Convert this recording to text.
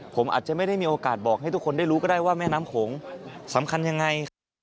ผมอาจจะไม่ได้มีโอกาสบอกให้ทุกคนได้รู้ก็ได้ว่าแม่น้ำโขงสำคัญยังไง